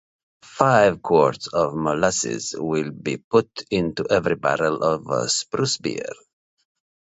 Five quarts of molasses will be put into every barrel of Spruce Beer.